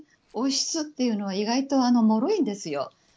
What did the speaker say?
王室っていうのは意外ともろいんですよ。